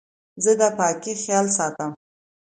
زه د پاکۍ خیال ساتم.